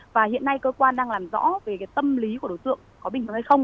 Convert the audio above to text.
và hiện nay cơ quan đang làm rõ về tâm lý của đối tượng có bình thường hay không